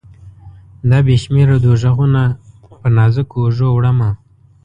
دا بې شمیره دوږخونه په نازکو اوږو، وړمه